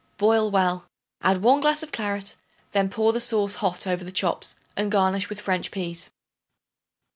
Boil well. Add 1 glass of claret; then pour the sauce hot over the chops, and garnish with French peas.